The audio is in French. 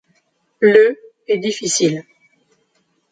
Le est difficile.